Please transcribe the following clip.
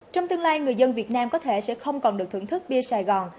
trong tương lai người dân việt nam có thể sẽ không còn được thưởng thức bia sài gòn